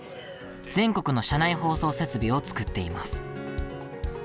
全国の車内放送設備を作っています。